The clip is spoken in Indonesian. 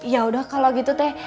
ya udah kalau gitu teh